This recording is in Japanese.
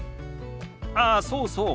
ああそうそう。